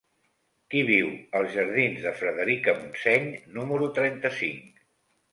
Qui viu als jardins de Frederica Montseny número trenta-cinc?